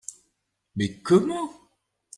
Mais comment ?